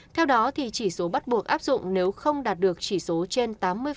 theo đó thì chỉ số bắt buộc áp dụng nếu không đạt được chỉ số trên tám mươi